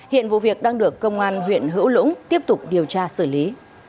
hiện vụ việc đang được công an huyện hữu lũng tiếp tục điều tra xử lý